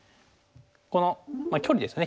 この距離ですね